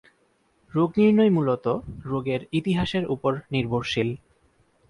রোগনির্ণয় মূলত রোগের ইতিহাসের উপর নির্ভরশীল।